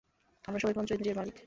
আমরা সবাই পঞ্চ ইন্দ্রিয়ের মালিক।